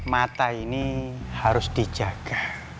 mata ini harus dijaga